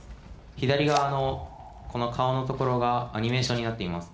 左側のこの顔のところがアニメーションになっています。